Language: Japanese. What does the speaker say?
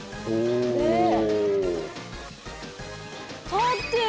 立ってる！